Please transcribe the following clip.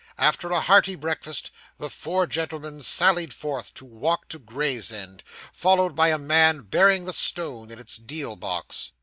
After a hearty breakfast, the four gentlemen sallied forth to walk to Gravesend, followed by a man bearing the stone in its deal box.